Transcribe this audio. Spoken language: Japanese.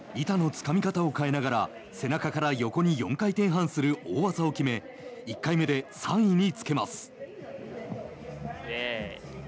板のつかみ方を変えながら背中から横に４回転半する大技を決め１回目で３位につけます。